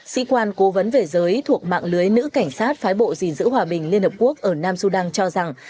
sĩ quan cố vấn về giới thuộc mạng lưới nữ cảnh sát phái bộ gìn giữ hòa bình liên hợp quốc ở nam sudan cho rằng